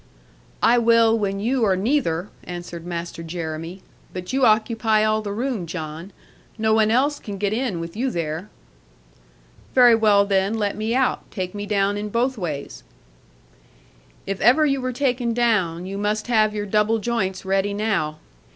'I will when you are neither,' answered Master Jeremy; 'but you occupy all the room, John. No one else can get in with you there.' 'Very well then, let me out. Take me down in both ways.' 'If ever you were taken down; you must have your double joints ready now.